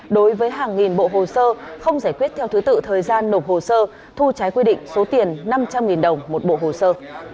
đối với hàng nghìn bộ hồ sơ không giải quyết theo thứ tự thời gian nộp hồ sơ thu trái quy định số tiền năm trăm linh đồng một bộ hồ sơ